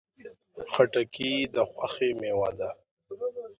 خټکی د خوښۍ میوه ده.